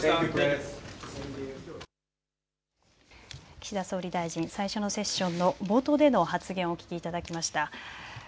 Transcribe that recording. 岸田総理大臣、最初のセッションの冒頭での発言をお聞きいただきました。